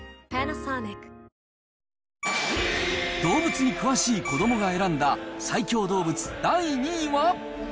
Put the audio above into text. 動物に詳しい子どもが選んだ、最強動物第２位は。